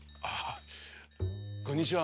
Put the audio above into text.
こんにちは。